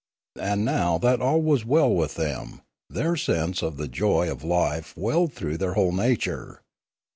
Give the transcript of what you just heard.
And now that all was well with them, their sense of the joy. of life welled through their whole nature.